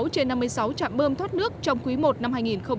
trên năm mươi sáu trạm bơm thoát nước trong quý i năm hai nghìn hai mươi